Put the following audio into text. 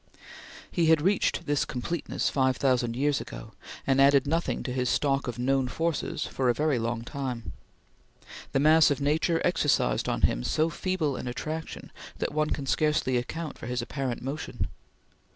He had reached this completeness five thousand years ago, and added nothing to his stock of known forces for a very long time. The mass of nature exercised on him so feeble an attraction that one can scarcely account for his apparent motion.